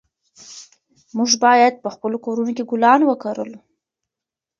موږ باید په خپلو کورونو کې ګلان وکرلو.